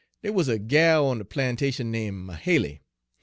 "Dey wuz a gal on de plantation name' Mahaly.